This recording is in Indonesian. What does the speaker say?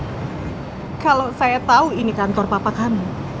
nah kalau saya tahu ini kantor papa kamu